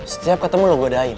setiap ketemu lo godain